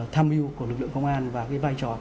tham mưu của lực lượng công an và cái vai trò